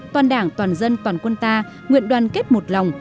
toàn đảng toàn dân toàn quân ta nguyện đoàn kết một lòng